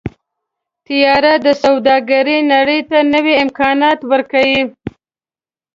طیاره د سوداګرۍ نړۍ ته نوي امکانات ورکوي.